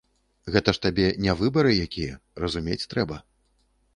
Гэта ж табе не выбары якія, разумець трэба.